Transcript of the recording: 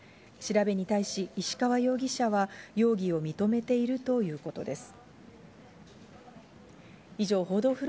調べに対し石川容疑者は容疑を認めているということです。